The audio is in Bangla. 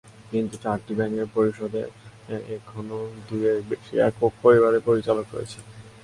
কিন্তু চারটি ব্যাংকের পর্ষদে এখনো দুইয়ের বেশি একক পরিবারের পরিচালক রয়েছেন।